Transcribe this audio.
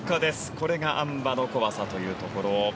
これがあん馬の怖さというところ。